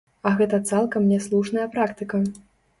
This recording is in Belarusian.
А гэта цалкам няслушная практыка.